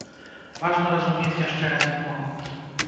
Важна разумець яшчэ адзін момант.